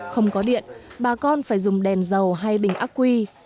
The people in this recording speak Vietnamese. không có điện bà con phải dùng đèn dầu hay bình ác quy